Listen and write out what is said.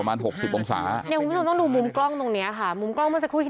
มันกล้าดหน่อยเดียวก็กลิ้งตกเลยครับ